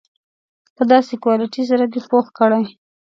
په داسې کوالیټي سره دې پوخ کړي.